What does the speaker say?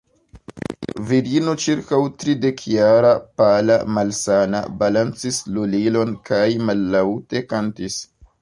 Virino ĉirkaŭ tridekjara, pala, malsana, balancis lulilon kaj mallaŭte kantis.